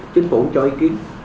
chính phủ cho ý kiến